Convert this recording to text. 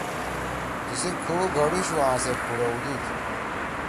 تی سی کُھو گھڑُوشُو آں سے کُھرڑوؤدُود۔